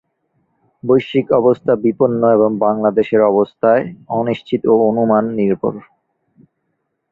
বৈশ্বিক অবস্থা বিপন্ন এবং বাংলাদেশের অবস্থায় অনিশ্চিত ও অনুমান নির্ভর।